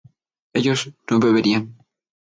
ellos no beberían